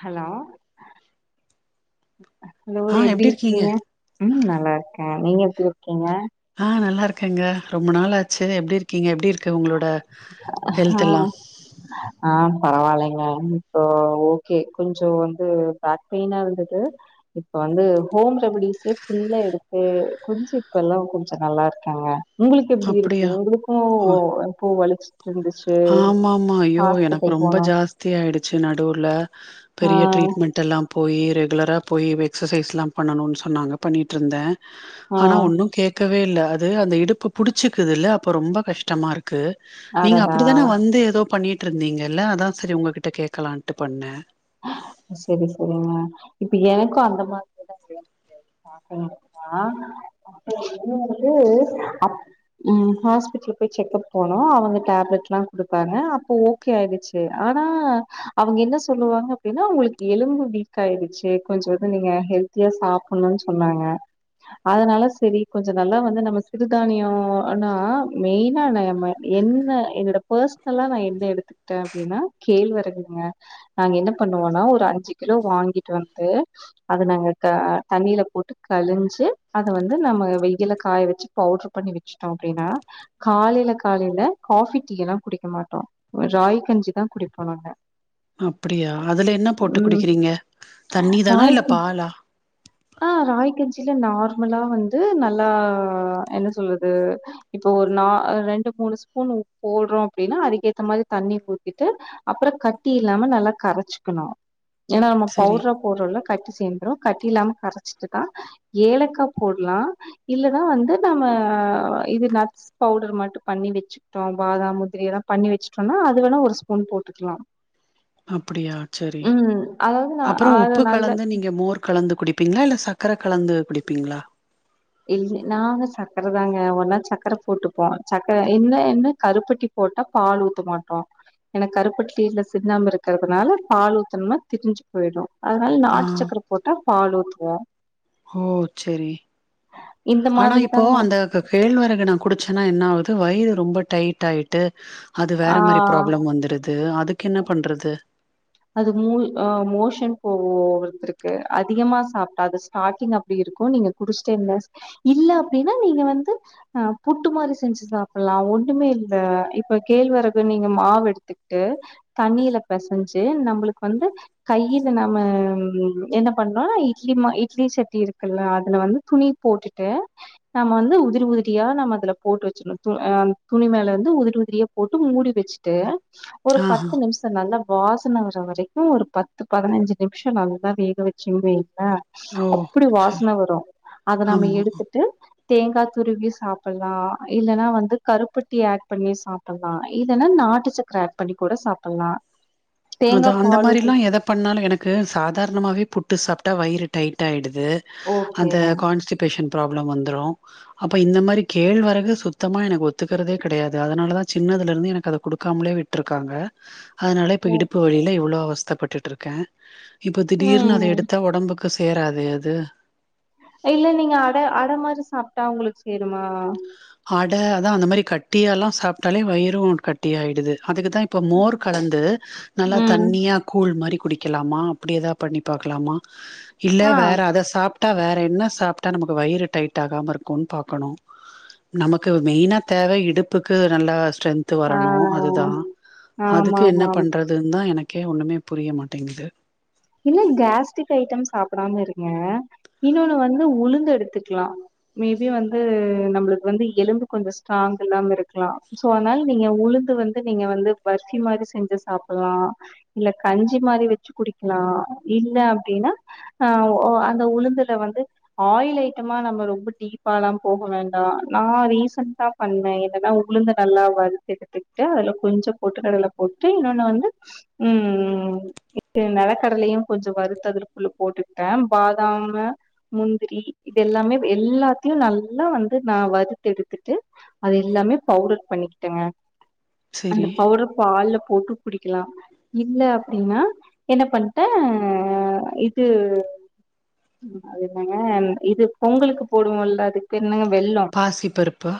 Hello hello எப்டி இருக்கீங்க உம் நல்லா இருக்கேன் நீங்க எப்டி இருக்கீங்க ஆ நல்லா இருக்கேங்க ரொம்ப நாளாச்சு எப்டி இருக்கீங்க எப்படி இருக்கு உங்களோட ஹ ஹெல்த் எல்லா? ஆ பரவாயில்லை இப்போ ஓகே கொஞ்சம் வந்து பேக் பெயினா இருந்தது இப்ப வந்து ஹோம் ரெமடிஸே ஃபுல்லா எடுத்து கொஞ்சம் இப்ப எல்லாம் கொஞ்சம் நல்லா இருக்காங்க உங்களுக்கு எப்படி இருக்கு அப்டியா? உங்களுக்கும் அ இப்போ வலிச்ச ஆமாமா ஐயோ எனக்கு ரொம்ப போனோ ஜாஸ்தி ஆயிடுச்சு நடுர்ல ஆ பெரிய ட்ரீட்மெண்ட் எல்லாம் போயி ரெகுலராக போய் எக்ஸசைஸ் எலாம் பண்ணணும்ன்னு சொன்னாங்க பண்ணிட்டு இருந்தேன் ஆ ஆனா ஒன்னும் கேக்க இல்ல அது அந்த இடுப்பு புடிச்சுக்குதுல் அப்ப ரொம்ப கஷ்டமா இருக்கு [unintelligible] நீங்க அப்ப அடடா அப்படிதானே வந்து ஏதோ பண்ணிட்டு இருந்தீங்கல்ல அதான் சரி உங்ககிட்ட கேட்கலான்ட்டு பண்ணேன் சரி சரிங்க இப்ப எனக்கும் அந்த [unintelligible] ஹாஸ்பிட்டல் போய் செக்கப் போனம் அவங்க டேப்லெட் எல்லாம் குடுத்தாங்க அப்ப ஓகே ஆயிடுச்சு ஆனா அவங்க என்ன சொல்லுவாங்க அப்படினா உங்களுக்கு எலும்பு வீக் ஆயிடுச்சு கொஞ்ச இது நீங்க ஹெல்த்தியா சாப்புடணும்னு சொன்னாங்க அதனால சரி கொஞ்சம் நல்லா வந்து நம்ம சிறுதானியம் ஆனா மெய்னா என்ன என்னோட பர்சனலா நா என்ன எடுத்துக்கிட்டேன் அப்படின்னா கேள்விரகுங்க பண்ணுவோம்னா ஒரு அஞ்சு கிலோ வாங்கிட்டு வந்து அதை நாங்க தண்ணியில போட்டு கழிஞ்சு அதை வந்து நம்ம வெயில காய வச்சு பவுடர் பண்ணி வச்சுட்டோம் அப்படின்னா காலையில காலையில காபி டீயெல்லாம் குடிக்க மாட்டோம் ராகி கஞ்சிதான் குடிப்போம் நாங்க [unintelligible] அப்படியா அதுல என்ன போட்டு ம் குடிக்கிறீங்க தண்ணி தானா ராகி இல்ல பாலா ஆ ராகி கஞ்சில நார்மலா வந்து நல்லா என்ன சொல்றது இப்ப ஒரு நா ரெண்டு மூணு ஸ்பூன் போடுறோம் அப்படின்னா அதுக்கேத்த மாரி தண்ணி ஊத்திட்டு அப்புறம் கட்டி இல்லாம நல்லா கரைச்சுக்கணும் ஏன்னா நம்ம சரி. பவுடர் ஆ போட்ரோம்ல கட்டி சேந்துரு கட்டி இல்லாம கரச்சிட்டுதா ஏலக்கா போட்லா இல்லன்னா வந்து நம்ம இது நட்ஸ் பவுடர் மட்டு பண்ணி வெச்சுக்ட்டோ பாதாம் முந்திரி இதாம் பண்ணி வச்சுட்டோன்னா அது வேணா ஒரு ஸ்பூன் போட்டுக்லா அப்டியா சரி நா அப்பறொ அது உப்பு நல்ல கலந்து நீங்க மோர் கலந்து குடிப்பீங்ளா இல்ல சக்கர கலந்து குடிப்பீங்ளா இல் நாங்க சக்கரதாங்க ஒரு நாள் சக்கர போட்டுப்போ சக்கர என்ன என்ன கருப்பட்டி போட்டா பால் ஊத்த மாட்டோ ஏன்னா கருப்பட்டில சுண்ணாம்பு இருக்கறதுனால பால் ஊத்துனா திரிஞ்சி போய்டு அதனால ஆ நாட்டுச்சக்கர போட்டா பால் ஊத்துவோ ஓ செரி இந்த ஆனா மாதிரி இப்போ தாங்க அந்த க கேழ்வரகு நா குடிச்சனா என்னா ஆவ்து வயிறு ரொம்ப டைட் ஆய்ட்டு அது வேற ஆ மாரி ப்ராப்ளம் வந்துருது அதுக் க்கு என்ன பண்றது அது மூல் அ மோஷன் [unintelligible] இருக்கு அதிகமா சாப்ட்டா அது ஸ்டார்ட்டிங் அப்டி இருக்கு நீங்க குடிச்ட்டே இருந்தா இல்ல அப்டின்னா நீங்க வந்து அ புட்டு மாரி செஞ்சு சாப்புல்லா ஒண்ணுமே இல்ல இப்ப கேழ்வரகு நீங்க மாவு எடுத்துக்கிட்டு தண்ணில பெசஞ் சி நம்ப்ளுக் வந்து கையில நம்ம என்ன பண்ணுனா இட்லி ம இட்லி சட்டி இருக்குல்ல அதுல வந்து துணி போட்டுட்டு நம்ம வந்து உதிரி உதிரியா நம்ம அதுல போட்டு வச்சிட்ணு து ஆ துணி மேல வந்து உதிரி உதிரியா போட்டு மூடி வச்சிட்டு ஒரு ஆஹா பத்து நிமிஷொ நல்லா வாசன வர்ற வரைக்கு ஒரு பத்து பதினஞ்சு நிமிஷொ நல்லா வேக வச்சீங் வைங்களே ஓ அப்டி சரி வாசன வரு அத நம்ம ஆமா எடுத்துட்டு தேங்கா துருவியு சாப்புல்லா இல்லனா வந்து கருப்பட்டி ஆட் பண்ணியு சாப்புல்லா இல்லைன்னா நாட்டு சக்கர ஆட் பண்ணிக் கூட சாப்புல்லா அது அந்த மாரிலா எதப் பண்ணாலு எனக்கு சாதாரணமாவே புட்டு சாப் டா வயிறு டைட் ஆய்டு து ஓகே அந்த கான்ஸ்டிபேஷன் ப்ராப்ளம் வந்த்ரு அப்ப இந்த மாரி கேழ்வரகு சுத்தமா எனக்கு ஒத்துக்குறதே கடையாது அதனாலதா சின்னதுலருந்து எனக்கு அத குடுக்காமலே விட்ருக்காங்க அதனால இப்ப இடுப் வெயில்ல இவ்ளோ அவஸ்தப்பட்டுட்டு இருக்க இப்ப திடீர்னு அத ம் எடுத்தா ஒடம்புக் க்கு சேராதே அது இல்ல நீங்க அட அட மாரி சாப்ட்டா உங்களுக்கு சேருமா அட அதா அந்த மாரி கட்டியால்லா சாப்ட்டாலே வயிறு கட்டியாய்டுது அதுக்குதா இப்போ மோர் கலந்து நல்லா ம் தண்ணியா கூழ் மாறி குடிக்கெலாமா அப்டி ஏதா பண்ணி பாக்கலாமா இல்ல ஆ வேற அத சாப் சாப்டா வேற என்ன சாப்ட்டா நமக்கு வயிறு டைட் ஆகாம இருக்குன் பாக்கணு நமக்கு மெய்னா தேவ இடுப்புக்கு நல்லா ஸ்ட்ரென்த் ஆ வரணு அதுதா ஆமா அதுக்கு என்ன ஆமா ஆமா பண்றதுன்தா எனக் க்கே ஒண்ணுமே புரிய மாட்டேங்கிது இல்ல கேஸ்ட்ரிக் ஐட்டம் சாப்புடாம இருங்க இன்னொன்னு வந்து உளுந்து எடுத்துக்லா மே பி வந்து நம்ளுக்கு வந்து எலும்பு கொஞ்சொ ஸ்ட்ராங் இல்லாம இருக்லா சோ அத்னால் நீங்க உளுந்து வந்து நீங்க வந்து பர்ஃபி மாரி செஞ்சு சாப்புல்லா இல்ல கஞ்சி மாரி வச்சு குடிக் நா இல்ல அப்டினா அஹ் அந்த உளுந்துல வந்து ஆயில் ஐட்டமா நம்ம ரொம்ப டீப்பாலாம் போக வேண்டாம் நான் ரீசன்டா பண்ணே என்னன்னா உளுந்து நல்லா வருத்து எடுத்துக்கிட்டு அதுல கொஞ்சம் பொட்டுக்கடலை போட்டு இன்னொன்னு வந்து உஹம் நிலக்கடலையும் கொஞ்சம் வருத்து அதுக்குள்ள போட்டுக்கிட்டே பாதாமு முந்திரி இது எல்லாமே எல்லாத்தையும் நல்லா வந்து நான் வருத்து எடுத்துட்டு அது எல்லாமே பவுடர் பண்ணிக்கிட்டேங்க அந்த செரி பவுடர் பால்ல போட்டு குடிக்கலாம் இல்ல அப்படின்னா என்ன பண்ணிட்ட இது அது என்னங்க இது பொங்கலுக்கு போடுவோல்ல அதுக்கு பேரு என்னங்க வெல்லம் பாசி பருப்பா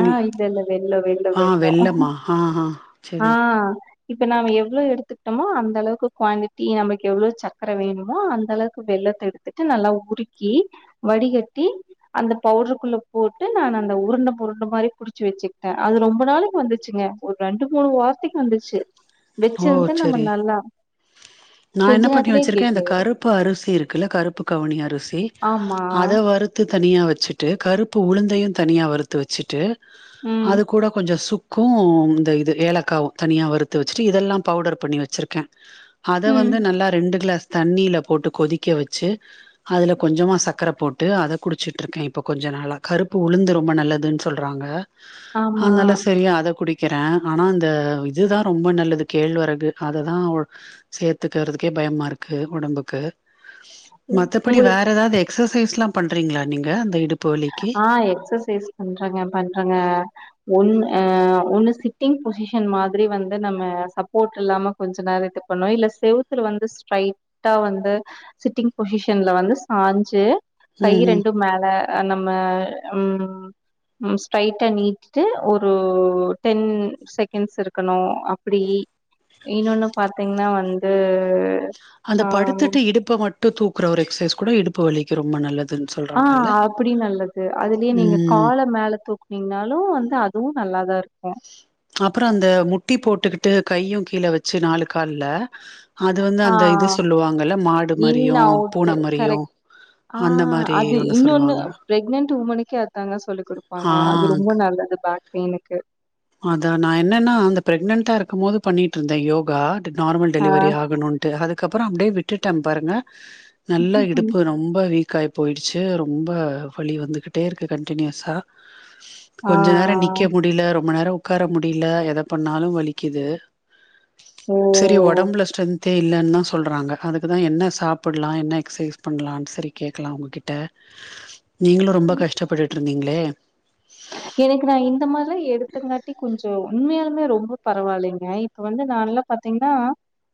இல் இது இல்ல வெல்லம் வெல்லோ ஆ வெல்லம் வெள்ளமா ஆ ஆ செரி ஆஹ் இப்ப நாம எவ்வளவு எடுத்துக்கிட்டோமோ அந்த அளவுக்கு குவாண்டிட்டி நமக்கு எவ்வளவு சக்கரை வேணுமோ அந்த அளவுக்கு வெல்லத்தை எடுத்துட்டு நல்லா உருக்கி வடிகட்டி அந்த பவுடருக்குள்ள போட்டு நான் அந்த உருண்ட புருண்ட மாதிரி புடிச்சு வச்சுக்கிட்டேன் அது ரொம்ப நாளைக்கு வந்துச்சுங்க ஒரு ரெண்டு மூணு வாரத்துக்கு வந்துச்சு வச்சிருந்து நம்ம நல்லா நான் கொஞ்ச என்ன பண்ணி நேரத்துலயே வச்சிருக்கேன் இந்த கெட்டியாயிரு கருப்பு அரிசி இருக்குல்ல கருப்பு கவனி அரிசி ஆமா அத வறுத்து தனியா வச்ச வச்சுட்டு கருப்பு உளுந்தையும் தனியா வறுத்து வச்சிட்டு ம் அது கூட கொஞ்சம் சுக் க்கும் இந்த இது ஏலக்காவு தனியா வறுத்து வச்சுட்டு இதெல்லாம் பவுடர் பண்ணி வச்சிருக்கேன் அத ம் வந்து நல்லா ரெண்டு கிளாஸ் தண்ணியில் போட்டு கொதிக்க வச்சு அதில் கொஞ்சமா சர்கக்கரை போட்டு அதை குடிச்சட்டுருக்கேன் இப்போ கொஞ்ச நாளாக கருப்பு உளுந்து ரொம்ப நல்லதுன்னு சொல்றாங்க ஆமா ஆனால சரி அதை குடி வைக்கிறேன் ஆனா அந்த இதுதான் ரொம்ப நல்லது கேழ்வரகு அததான் சேர்த்துக்கிறதுக்கே பயமா இருக்கு உடம்புக்கு மத்தபடி உங்களுக்கு வேற ஏதாவது எக்ஸஸ் எக்ஸசைஸ்லாம் பண்றீங்களா நீங்க அந்த இடுப்பு வலிக்கு ஆஹ் எக்ஸசைஸ் பண்றங்க பண்றங்க ஒண்ணு ஒன்று சிட்டிங் பொசிஷன் மாதிரி வந்து நம்ம சப்போர்ட் இல்லாமல் கொஞ்ச நேரம் இது பண்ணோம் இல்லை செவுத்து வந்து ஸ்ட்ரைட்டாக வந்து சிட்டிங் பொசிஷனில் வந்து சாஞ்சு கை ம் ம் ரெண்டும் மேல நம்ம ஸ்ட்ரைட்டா நீட்டுட்டு ஒரு டென் செகண்ட்ஸ் இருக்கணும் அப்படி இன்னொன்னு பாத்தீங்கன்னா வந்து உம் அந்த படுத்துட்டு இடுப்பை மட்டும் தூக்குற ஒரு எக்ஸசைஸ் கூட இடுப்பு வலிக்கு ரொம்ப நல்லது ஆஹ் அப்படி நல்லது அதுலயே நீங்க ம் காலை மேல தூக்குனீங்கன்னாலும் வந்து அதுவும் நல்லாதான் இருக்கு அப்புறம் அந்த முட்டி போட்டுக்கிட்டு கையும் கீழே வச்சு நாலு கால்ல அது வந்து அந்த இது ஆஹ் சொல்லுவாங்கல்ல மாடு இன் மாரியு அவுட் பூன மாரியு கரெக்ட் அந்த மாரி ஆஹ் ஒண்ணு இன்னொன்னு சொல்லுவாங்க பிரெக்னெண்ட் ஒமெண்கே அதாங்க சொல்லிகடுப்பாங்க ஆ அது ரொம்ப நல்லது அது பாக் பெய்னுக்கு அத நான் என்னன்னா அந்த பிரெக்னன்டா இருக்கும் போது பண்ணிட்டு இருந்தேன் யோகா நார்மல் ஆ டெலிவரி ஆகணும்ட்டு அதுக்கு அதுக்கப்புறம் அப்படியே விட்டுடென் பாருங்க நல்லா இடுப்பு ரொம்ப வீக் காய் போயிடுச்சு ரொம்ப வலி வந்துகிட்டே இருக்கு கன்டினியூஸா ஆ கொஞ்ச நேரம் நிக்க முடியல ரொம் ரொம்ப நேரம் உட்கார முடியல எதை பண்ணாலும் வலிக்குது ஓ! சரி ஒடம்புல ஸ்டெந்தே இல் இல்லன்னு தான் சொல்றாங்க அதுக்குதான் என்ன சாப்புடலாம் என்ன எக்சசைஸ் பண்ணலாம் சரி கேக்கலாம் உங்ககிட்ட நீங்களும் ரொம்ப கஷ்டப்பட்டுட்டு இருந்தீங்களே எனக்கு நான் இந்த மாரிலாம் எடுத்துங்காட்டி கொஞ்சம் உண்மையாலுமே ரொம்ப பரவாயில்லைங்க இப்ப வந்து நான் எல்லாம் பாத்தீங்கன்னா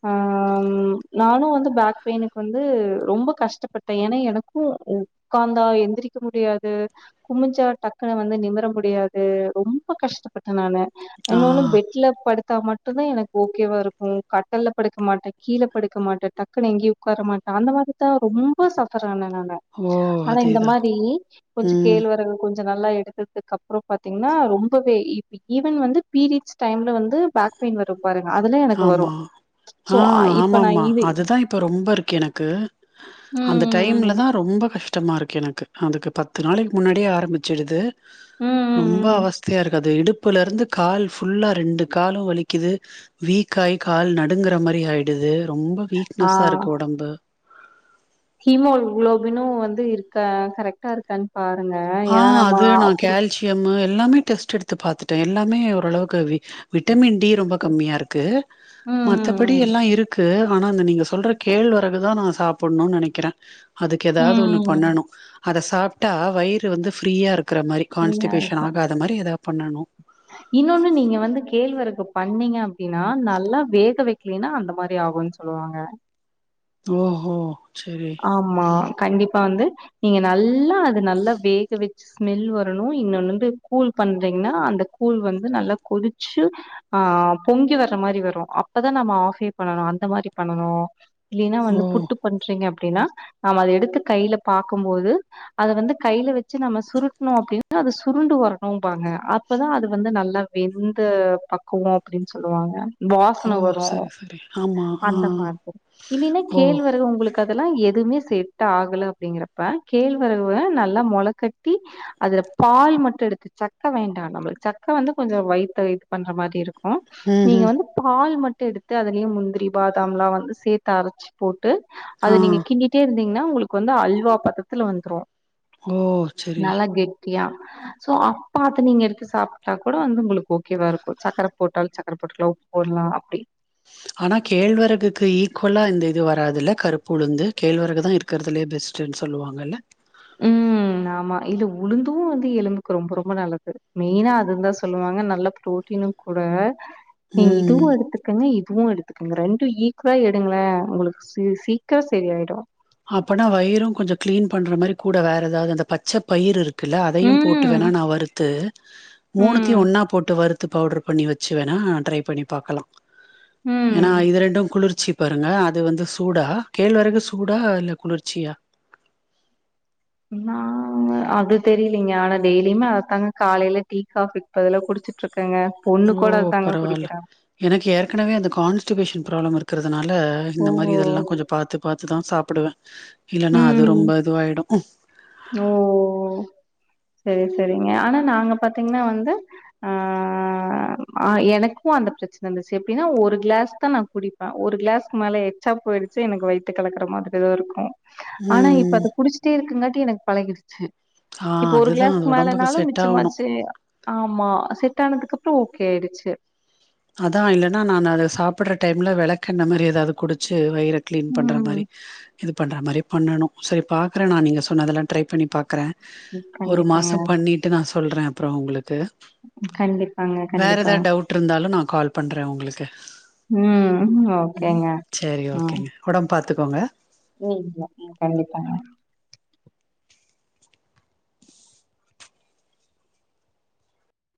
ஆ நானும் வந்து பேக் பெயினுக்கு வந்து ரொம்ப கஷ்டப்பட்டேன் ஏன்னா எனக்கும் உட்காந்தா எந்திரிக்க முடியாது குமிஞ்சா டக்குனு வந்து நிமிர முடியா முடியாது ரொம்ப கஷ்டப்பட்டேன் நானு ஆ என்ன ஒன்ன பெட்ல படுத்தா மட் ம தான் எனக்கு ஓகேவா இருக்கும் கட்டல்ல படுக்க மாட்டேன் கீழே படுக்க மாட்டன் டக்குனு எங்கேய உட்கார மாட்டன் அந்த மாரி தான் ரொம்ப சபர் ஓ ஆனா இந்த அதேதா மாரி கொஞ்சம் ம் கேள்வரகு கொஞ்சம் கொஞ்ச நல்லா எடுத்து அதுக்கப்புறம் பாத்தீங்கன்னா ரொம்பவே ஈவன் வந்து பீரியட்ஸ் டைம்ல வந்து பேக் பெயின் வரும் பாருங்க, அதெல்லாம் எனக்கு ஆமா வரும். சோ, ஆ இப்ப ஆமா நான் ஆமா இது அதுதான் இப்ப ரொம்ப இருக்கு எனக்கு ம், அந்த டைம்ல ம், தான் ரொம்ப கஷ்டமா இருக்கு எனக்கு அதுக்கு பத்து நாளைக்கு முன்னாடியே ஆரம்பிச்சிடுது ம், ரொம்ப ம், ம். அவஸ்தையா இருக்கு அது இடுப் இடுப்புல இருந்து கால் ஃபுல்லா ரெண்டு காலும் வலிக்குது வீக்காய் கால் நடுங்கற மாரி ஆயிடுது ரொம்ப வீக்னஸா இருக்கு உடம்பு ஹீமோ குளோபினும் வந்து இருக்க கரெக்ட்டா இருக்கான ஆ அது நான் கால்சியம் எல்லாமே டெஸ்ட் எடுத்து பார்த்துட்டேன் எல்லாமே ஓரளவுக்கு விட்டமின் டி ரொம்ப கம்மியா இருக்கு ம் மத்தபடி ம் எல்லா இருக்கு ஆனா இந்த நீங்க சொல்ற கேழ்வரகுதான் நான் சாப்டணும்னு நினைக்கிறேன் அதுக்கு ஏதாவது ஒண்ணு ம் ம் பண்ணணும் அதை சாப்ட்டா வயிர் வந்து ஃப்ரீயா இருக்கு இருக்கற மாரி சரியா இருக்கு. கான்ஸ்டிபேஷன் ஆகாத மாரி ஏதாவது பண்ணணும் இன்னொன்னு நீங்க வந்து கேள்வறகு பண்ணீங்க அப்படின்னா நல்லா வேக வக்கலனா அந்த மாரி ஆகும்ன்னு சொல்லுவாங்க ஓ ஓ ஆமா கண்டிப் பா வந்து நீங்க நல்ல எல்லாம் அது நல்லா வேக வச் ஸ்மெல் வரணு இன்னொன்னு வந்து கூல் பண்றீங்கன்னா அந்த கூல் வந்து நல்லா கொதிச்சு ஆஹ் பொங்கி வர்ற மாரி வரு அப்பதா நம்ம ஆஃப்பே பண்ணணு அந்த மாதிரி பண்ணணு இல்ல னா ஓ! வந்து புட்டு பண்றீங்க அப்டின்னா, நாம அத எடுத்து கையில பாக்கும்போது, அத வந்து கையில வெச்சு நம்ம சுருட்டணோ அப்டின்னா அது சுருண்டு வரணுபாங்க. அப்பதா அது வந்து நல்லா வெந்து பக்குவோ அப்டின்னு சொல்லுவாங்க. ஓ! வாசன வரு சரி, சரி. ஆமா. ஆ. அந்த மாதிரி இல்லன்னா ஓ! கேள்வரகு உங்களுக்கு எதுமே செட் ஆகல அப்பிடிங்கறப்ப கேழ்வரவ நல்லா மொள கட்டி அதுல பால் மட்டு எடுத்து சக்க வேண்டா நம்மலுக் சக்க வந்து கொஞ்சோ வயித்த இது பண்ற மாரி இருக்கு ம் நீங்க ம்ஹ்ம். வந்து பால் ம ட் எடுத்து அதுலயே முந்திரி பாதாம் லா வந்து சேத்து அரச்சு போட்டு அது ஆ. நீங்க கின்டீட்டே இருந் தீங்ன்னா உங்களுக்கு வந்து அல்வா பதத்துல வந்துரு. ஓ செரி சோ அப்பத்த நீங்க எடுத்து சாப்ட்டா கூட வந்து உங்களுக்கு ஓகேவாருக்கு சக்கர போட்டால் சக்கர போட்டுக்கலா உப்பு போடலா அப்டி ஆனா கேழ்வரகுக்கு ஈக்குவலா இந்த இது வராதுல்ல. கருப்புழுந்து, கேழ்வரகுதா இருக்குறதுலயே பெஸ்ட்னு சொல்லுவாங்கல்ல. ம் ஆமா இதூ உளுந்தூ வந்து எலும்புக்கு ரொம்ப ரொம்ப நல்லது. மெயின்னா அது தா சொல்லுவாங்க நல்ல ப்ரோட்டீனு கூட நீ இதுவு ம் எடுத்துக்கங்க. இதுவு எடுத் க்குங்க ரெண்டு ஈக்வலா எடுங்கலே. உங்களுக்கு ச சீக்ர செரி ஆயிடு. அப்பனா வயிரும் கொஞ்சோ கிளீன் பண்ற மாரி கூட வேற ஏதாவுது அந்த பச்ச பயிருக் குல்ல அதயு போட்டு ம். வேணா நா வறுத்து ம். மூனுத்தையு ஒன்னா போட்டு வறு த்து பௌவ்டர் பண்ணி வெச்சு வேணா ட்ரை பண்ணி பாக்கலா. ம். ஏனா இது ரெண்டு குளிர்ச்சி பாருங்க அது வந்து சூடா கேழ்வரகு சூ டா இல்ல குளிர்ச்சியா? நா அது தெ ரிலங்க ஆனா டெய்லியுமா அததுாங்க காலைல டீ காபிக்கிப்பதுலா குடுச்சிட்டு இருக் ஓ பரவால. எனக்கு ஏற்கனவே அந்த கான்ஸ்டிபேஷன் ப்ராப்ளம் இருக் க்றதுனா ல ஓ! இந்த மாதிரி இதெல்லா கொஞ்சோ பாத்து பாத்து தா சா ப்படுவே இல்லன்னா ம். அது ரொம்ப இதுவாயிடு. செரி செரிங்க. ஆனா நாங்க பாத்தீங்கனா வந்து, ஆஹ் ஹ், எனக்கு அந்த பிரச்சன இருந்துச்சு, எப்டினா ஒரு க்ளாஸ் தா நா குடிப்ப. ஒரு க்ளாஸ்க்கு மேல எச்சா போயிடுச்சு எனக்கு வயித்த கலக்கற மாதிரிதா இருக்கு. ஆனா இப்ப ம் அத குடிச்சிட்டே இருக்குறங்காட்டி என பழகிருச்சு. ஆ இப்ப ஒரு அதுதா அது க்ளாஸ்க்கு ஒடம்புக்கு மேலனாலு செட் ஆவணு மிச்சமாச்சு ஆமா ட்டானதுக்கு அப்றோ ஓகே ஆயிடுச்சு அதா இல்லன்னா நானத சாப்பட்ற டைம்ல வெளக்கெண்ண மாரி ஏதாவ்து குடிச்சு வயிற க்ளீன் பண்ற ம் மாரி இது பண்ற மாரி பண்ணணூ சரி பாக்குறே நா நீங்க சொன்னதல்லா ட்ரை பண்ணி பாக்குறே ஒரு கண்டிப்பாங்க. மாசோ பண்ணிட்டு நா ஸ் சொல்றே அப்றோ உங்களுக்கு கண்டிப்பாங்க வேற கண்டிப்பா எதா டவுட் இருந்தாலு நா கால் பண்ற உங்ளுக்கு ம் ஓகேங்க ம் த்துக்கோங்க ம் யா ம் கண்டிப்பாஙக